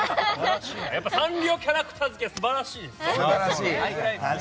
サンリオキャラクター好きは素晴らしいですね。